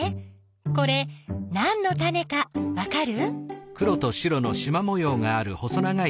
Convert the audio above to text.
これなんのタネかわかる？